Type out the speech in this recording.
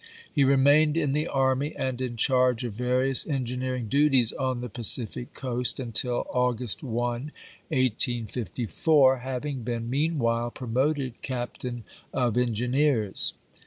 He remained in the army and in charge of various en gineering duties on the Pacific coast until August 1, 1854, having been meanwhile promoted captain of engineers.